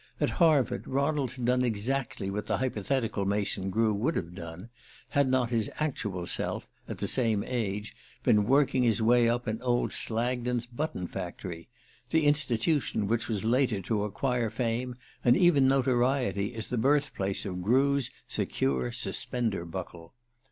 At Harvard, Ronald had done exactly what the hypothetical Mason Grew would have done, had not his actual self, at the same age, been working his way up in old Slagden's button factory the institution which was later to acquire fame, and even notoriety, as the birthplace of Grew's Secure Suspender Buckle.